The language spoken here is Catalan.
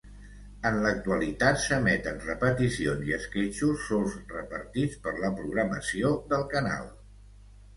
En l'actualitat s'emeten repeticions i esquetxos solts repartits per la programació del canal.